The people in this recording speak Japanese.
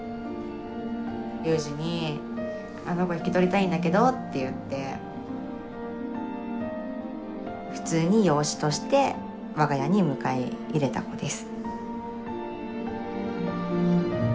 雄次に「あの子引き取りたいんだけど」って言って普通に養子として我が家に迎え入れた子です。